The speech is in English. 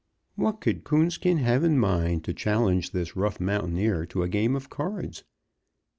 _"] What could Coonskin have in mind, to challenge this rough mountaineer to a game of cards?